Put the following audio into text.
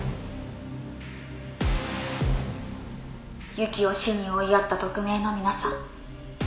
「ＹＵＫＩを死に追いやった匿名の皆さん」